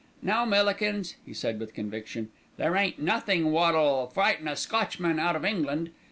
"No, Millikins," he said with conviction, "there ain't nothink wot'll frighten a Scotchman out of England.